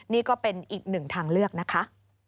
นี่ก็เป็นอีกหนึ่งทางเลือกนะคะ